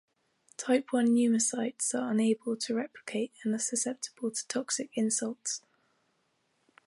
Type One pneumocytes are unable to replicate and are susceptible to toxic insults.